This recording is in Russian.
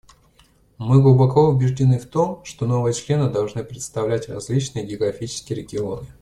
Мы глубоко убеждены в том, что новые члены должны представлять различные географические регионы.